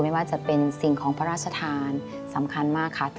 ไม่ว่าจะเป็นสิ่งของพระราชทานสำคัญมากค่ะ